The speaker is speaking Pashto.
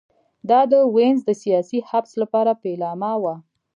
دا د وینز د سیاسي حبس لپاره پیلامه وه